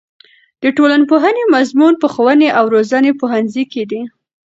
د ټولنپوهنې مضمون په ښوونې او روزنې پوهنځي کې دی.